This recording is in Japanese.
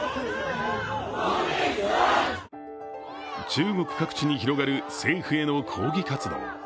中国各地に広がる政府への抗議活動。